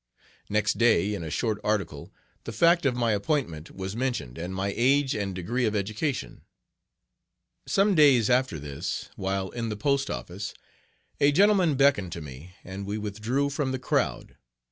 Next day, in a short article, the fact of my appointment was mentioned, and my age and degree of education. Some days after this, while in the post office, a gentleman beckoned to me, and we withdrew from the crowd.